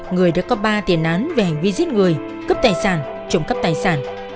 người đã có ba tiền án về hành vi giết người cấp tài sản trộm cấp tài sản